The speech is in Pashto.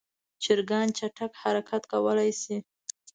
چرګان چټک حرکت کولی شي.